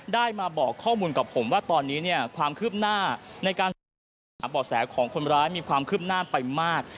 ได้มาบอกข้อมูลกับผมว่าตอนนี้เนี่ยความคืบหน้าในการสอบถามบ่อแสของคนร้ายมีความคืบหน้าไปมาก